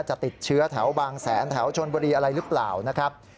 จะติดเชื้อแถวบางแสนแถวชนบุรีอะไรหรือเปล่านะครับ